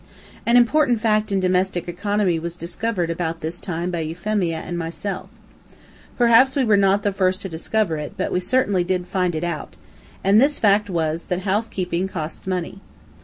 An important fact in domestic economy was discovered about this time by Euphemia and myself. Perhaps we were not the first to discover it, but we certainly did find it out, and this fact was, that housekeeping costs money.